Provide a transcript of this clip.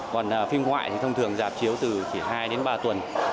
còn phim ngoại thì thông thường dạp chiếu từ chỉ hai ba tuần